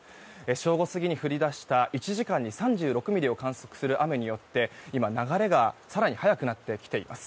正午過ぎに降り出した１時間に３６ミリを観測する雨によって今、流れが更に速くなってきています。